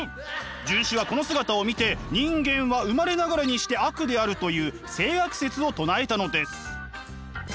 荀子はこの姿を見て人間は生まれながらにして悪であるという性悪説を唱えたのです。